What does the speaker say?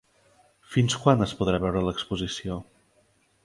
Fins quan es podrà veure l'exposició?